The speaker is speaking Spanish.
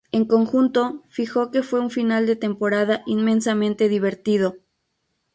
En conjunto, fijo que "fue un final de temporada inmensamente divertido".